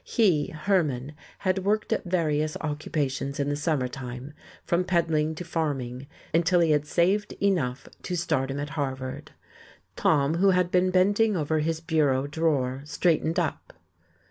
He, Hermann, had worked at various occupations in the summer time, from peddling to farming, until he had saved enough to start him at Harvard. Tom, who had been bending over his bureau drawer, straightened up.